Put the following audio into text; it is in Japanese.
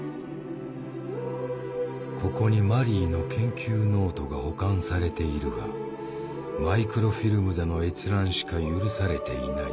ここにマリーの研究ノートが保管されているがマイクロフィルムでの閲覧しか許されていない。